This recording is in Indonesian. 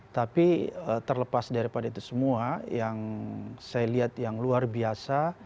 tapi terlepas daripada itu semua yang saya lihat yang luar biasa